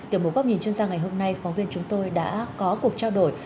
tiểu bố bác nhìn chuyên gia ngày hôm nay phóng viên chúng tôi đã có cuộc trao đổi